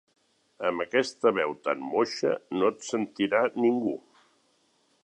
Amb aquesta veu tan moixa no et sentirà ningú.